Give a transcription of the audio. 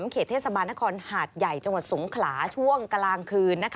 เขตเทศบาลนครหาดใหญ่จังหวัดสงขลาช่วงกลางคืน